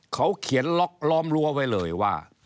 เขาเขียนล็อกล้อมรั้วไว้เลยว่า